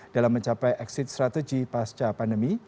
dalam mencapai exit strategy pasca pandemi